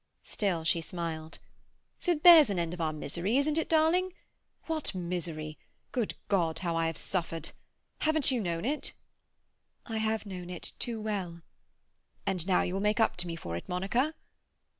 Still she smiled. "So there's an end of our misery—isn't it, darling? What misery! Good God, how I have suffered! Haven't you known it?" "I have known it too well." "And now you will make up to me for it, Monica?"